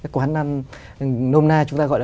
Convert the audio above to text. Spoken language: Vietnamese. quán ăn nôm na chúng ta gọi là